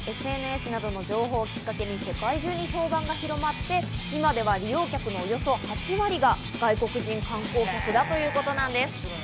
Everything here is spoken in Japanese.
ＳＮＳなどの情報をきっかけに世界中に評判が広まって、今では利用客のおよそ８割が外国人観光客だということです。